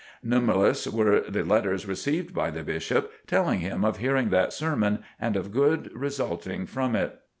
Numberless were the letters received by the Bishop telling him of hearing that sermon and of good resulting from it.